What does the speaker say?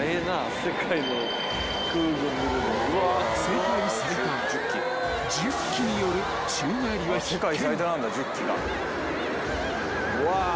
［世界最多１０機による宙返りは必見］